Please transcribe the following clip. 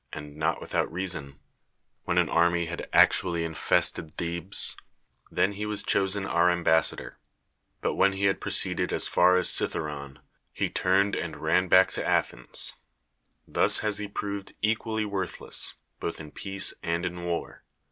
iitKl nol witliout i cason — when an army }i;m1 acluallx' inl'esteii THE WORLD'S FAMOUS ORATIONS Thebes, then was he chosen our ambassador; but when he had proceeded as far as Citha^ron he turned and ran back to Athens. Thus has he proved equally worthless, both in peace and in war.